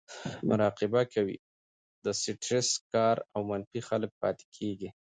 مراقبه کوي , د سټرېس کار او منفي خلک پاتې کړي